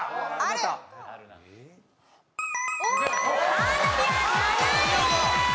カーナビは７位です。